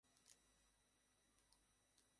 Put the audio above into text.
আমাকে শিকার করতে এসেছে, অর্জুন।